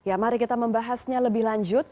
ya mari kita membahasnya lebih lanjut